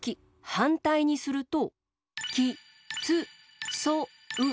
はんたいにすると？